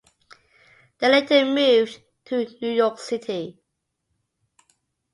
They later moved to New York City.